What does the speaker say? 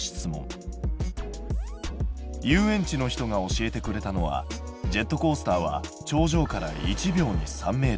遊園地の人が教えてくれたのはジェットコースターは頂上から１秒に３ｍ。